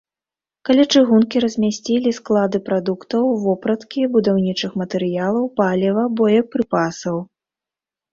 Каля чыгункі размясцілі склады прадуктаў, вопраткі, будаўнічых матэрыялаў, паліва, боепрыпасаў.